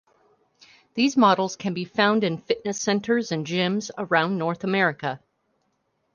These models can be found in fitness centers and gyms around North America.